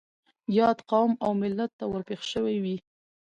ياد قوم او ملت ته ور پېښ شوي وي.